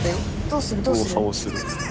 どうする？